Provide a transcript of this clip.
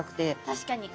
確かに。